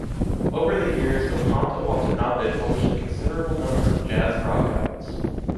Over the years Ottanta Watanabe published a considerable number of jazz-rock albums.